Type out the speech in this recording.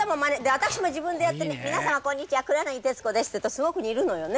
私も自分でやってね皆様こんにちは黒柳徹子ですって言うとすごく似るのよね